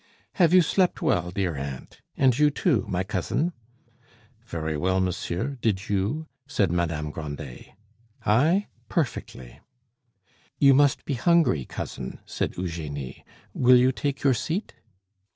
"Have you slept well, dear aunt? and you, too, my cousin?" "Very well, monsieur; did you?" said Madame Grandet. "I? perfectly." "You must be hungry, cousin," said Eugenie; "will you take your seat?"